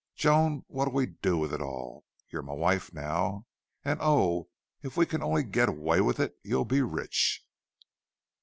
Joan, what'll we do with it all? You're my wife now. And, oh! If we can only get away with it you'll be rich!"